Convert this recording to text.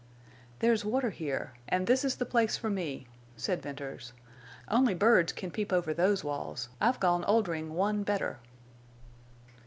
"There's water here—and this is the place for me," said Venters. "Only birds can peep over those walls, I've gone Oldring one better."